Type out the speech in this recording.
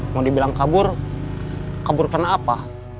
mau dibilang kabur kabur karena apa